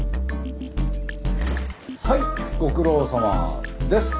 はいご苦労さまです。